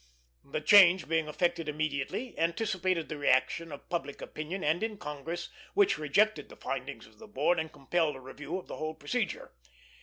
The change being effected immediately, anticipated the reaction in public opinion and in Congress, which rejected the findings of the board and compelled a review of the whole procedure.